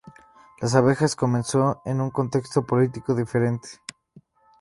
Las Abejas comenzó en un contexto político diferente.